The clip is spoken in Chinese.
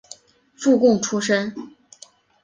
附贡出身。